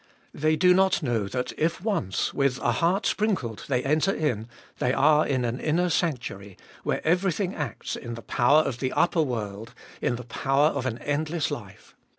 They do not know that, if once, with a heart sprinkled they enter in, they are in an inner sanctuary, where everything acts in the power of the ttbe fbolfest of 2111 379 upper world, in the power of an endless life.